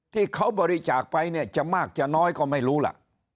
ที่เขาบริจาคไปเนี่ยจะมากจะน้อยก็ไม่รู้ล่ะ